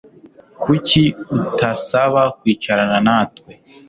Kuki utasaba kwicarana natwe?